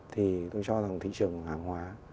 thì tôi cho rằng thị trường hàng hóa